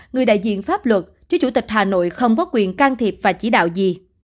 người đại diện pháp luật chứ chủ tịch hà nội không có quyền can thiệp và chỉ đạo gì